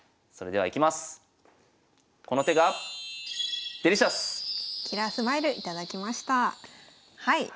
はい。